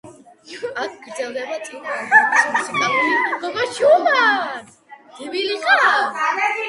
აქ გრძელდება წინა ალბომის მუსიკალური ტრადიციები.